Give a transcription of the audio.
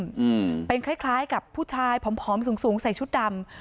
อืมเป็นคล้ายคล้ายกับผู้ชายผอมผอมสูงสูงใส่ชุดดำ